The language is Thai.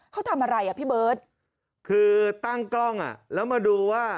เขาทำอะไรอ่ะพี่เบิร์ตคือตั้งกล้องอ่ะแล้วมาดูว่า